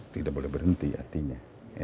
tidak boleh berhenti artinya